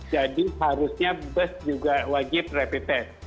jadi harusnya bus juga wajib rapid test